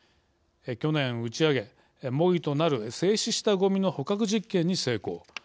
去年、打ち上げ模擬となる静止したごみの捕獲実験に成功。